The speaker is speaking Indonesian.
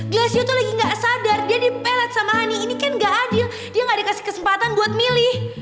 glesio tuh lagi gak sadar dia dipelet sama hani ini kan gak adil dia gak dikasih kesempatan buat milih